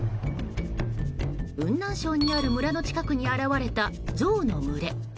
雲南省にある村の近くに現れたゾウの群れ。